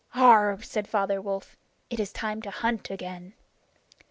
"Augrh!" said Father Wolf. "It is time to hunt again."